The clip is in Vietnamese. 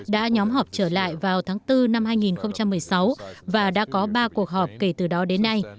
đã nhóm họp trở lại vào tháng bốn năm hai nghìn một mươi sáu và đã có ba cuộc họp kể từ đó đến nay